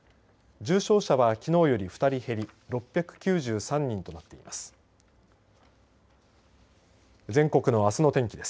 重症者はきのうより２人減り６９３人となっています。